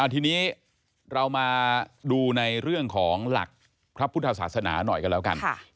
ทีนี้เรามาดูในเรื่องของหลักพระพุทธศาสนาหน่อยกันแล้วกัน